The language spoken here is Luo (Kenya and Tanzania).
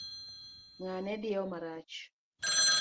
Ng'ane diewo marach.